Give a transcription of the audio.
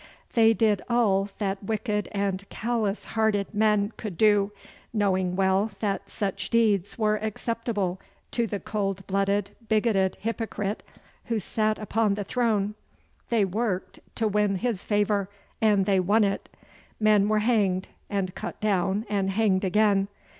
They did all that wicked and callous hearted men could do, knowing well that such deeds were acceptable to the cold blooded, bigoted hypocrite who sat upon the throne. They worked to win his favour, and they won it. Men were hanged and cut down and hanged again.